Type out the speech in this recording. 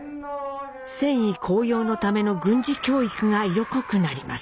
戦意高揚のための軍事教育が色濃くなります。